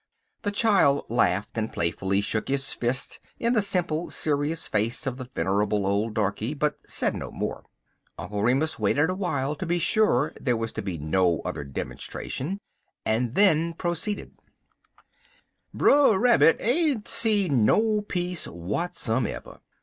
The child laughed, and playfully shook his fist in the simple, serious face of the venerable old darkey, but said no more. Uncle Remus waited awhile to be sure there was to be no other demonstration, and then proceeded: "Brer Rabbit ain't see no peace w'atsumever.